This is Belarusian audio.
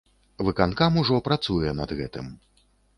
Выканкам ужо працуе над гэтым.